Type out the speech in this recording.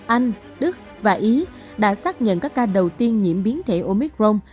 anh đức và ý đã xác nhận các ca đầu tiên nhiễm biến thể omicron